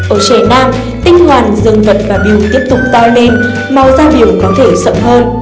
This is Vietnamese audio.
ở trẻ nam tinh hoàn dương vật và biểu tiếp tục to lên màu da biểu có thể sậm hơn